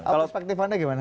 perspektif anda gimana